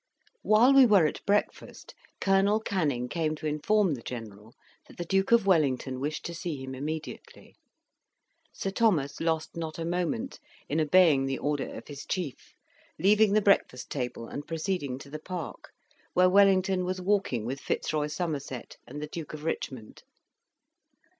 While we were at breakfast, Colonel Canning came to inform the General that the Duke of Wellington wished to see him immediately. Sir Thomas lost not a moment in obeying the order of his chief, leaving the breakfast table and proceeding to the park, where Wellington was walking with Fitzroy Somerset and the Duke of Richmond.